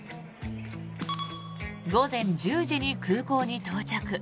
午前１０時に空港に到着。